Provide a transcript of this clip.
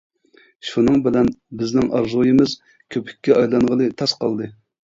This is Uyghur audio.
شۇنىڭ بىلەن بىزنىڭ ئارزۇيىمىز كۆپۈككە ئايلانغىلى تاس قالدى.